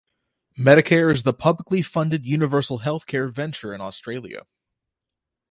Medicare is the publicly funded universal health care venture in Australia.